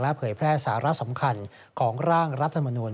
เผยแพร่สาระสำคัญของร่างรัฐมนูล